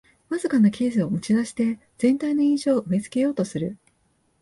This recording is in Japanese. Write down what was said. わずかなケースを持ちだして全体の印象を植え付けようとする